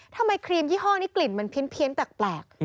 ครีมยี่ห้อนี้กลิ่นมันเพี้ยนแปลก